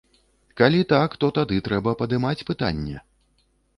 Калі так, то тады трэба падымаць пытанне.